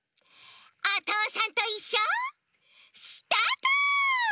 「おとうさんといっしょ」スタート！